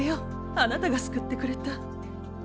あなたが救ってくれた。